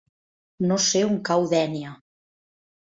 No sé on cau Dénia.